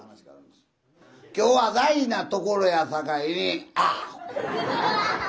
今日は大事なところやさかいにあ。